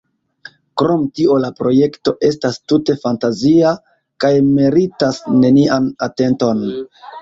Krom tio la projekto estas tute fantazia kaj meritas nenian atenton.